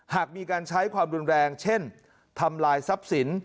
หากมีการใช้ความรุนแรงเช่นทำลายทรัพย์สิน